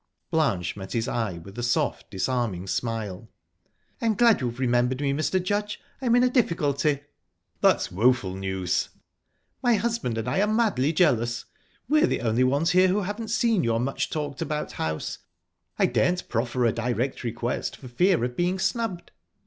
Blanche met his eye with a soft, disarming smile. "I'm glad you've remembered me, Mr. Judge. I'm in a difficulty." "That's woeful news." "My husband and I are madly jealous. We're the only ones here who haven't seen your much talked about house. I daren't proffer a direct request, for fear of being snubbed."